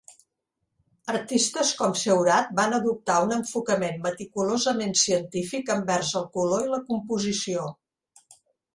Artistes com Seurat van adoptar un enfocament meticulosament científic envers el color i la composició.